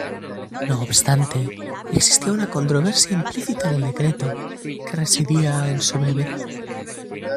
No obstante, existía una controversia implícita en el decreto que residía en su brevedad.